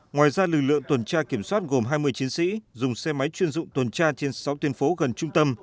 ngoài ra lực lượng tuần tra kiểm soát gồm hai mươi chiến sĩ dùng xe máy chuyên dụng tuần tra trên sáu tuyên phố gần trung tâm